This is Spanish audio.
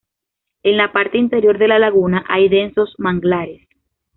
En la parte interior de la laguna hay densos manglares.